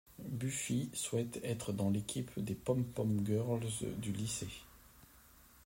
Buffy souhaite être dans l'équipe des pom-pom girls du lycée.